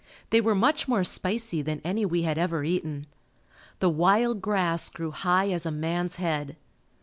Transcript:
They were much more spicy than any we had ever eaten. The wild grass grew high as a man's head.